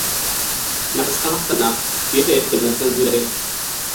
Na san Hassana fiye da yadda na san Zulai.